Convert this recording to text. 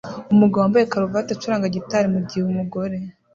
Umugabo wambaye karuvati acuranga gitari mugihe umugore